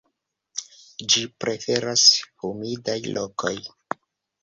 Ĝi preferas humidaj lokoj.